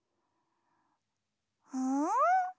うん？